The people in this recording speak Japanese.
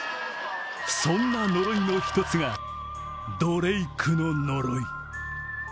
そんな呪いの１つが、ドレイクの呪い。